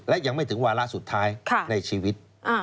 และยังไม่ถึงวาระสุดท้ายในชีวิต